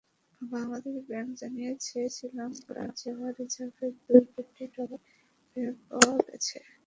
Bangladesh bank জানিয়েছে, শ্রীলঙ্কায় যাওয়া রিজার্ভের দুই কোটি ডলার ফেরত পাওয়া গেছে।